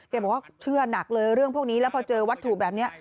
บอกว่าเชื่อหนักเลยเรื่องพวกนี้แล้วพอเจอวัตถุแบบนี้